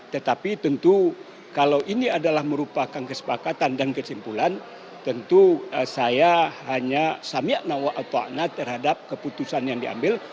tetapi tentu kalau ini adalah merupakan kesepakatan dan kesimpulan tentu saya hanya samiyakna watoakna ⁇ terhadap keputusan yang diambil